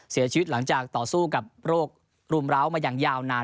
เสียชีวิตหลังจากต่อสู้กับโรครุมร้าวมาอย่างยาวนาน